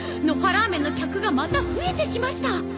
のはらーめんの客がまた増えてきました！